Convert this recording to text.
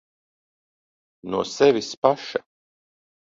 No sevis paša.